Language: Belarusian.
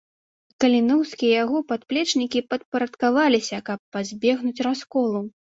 Каліноўскі і яго паплечнікі падпарадкаваліся, каб пазбегнуць расколу.